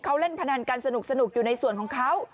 เขาเล่นพนันกันสนุกอยู่ในส่วนของเขา